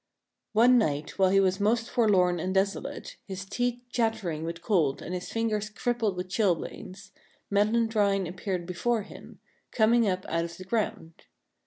One night, while he was most forlorn and desolate, his teeth chattering with cold and his fingers crippled with chilblains, Melandrine appeared before him, coming up out of the ground.